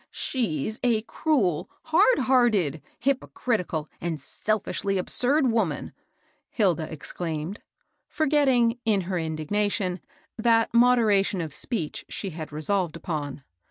" She's a cruel, hard hearted, hypocritical, and selfishly absurd woman !" Hilda exclaimed, forget ting, in her indignation, that moderation of speech she had resolved upon.